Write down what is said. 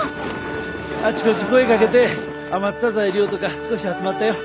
あちこち声かけて余った材料とか少し集まったよ。